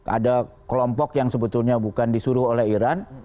ada kelompok yang sebetulnya bukan disuruh oleh iran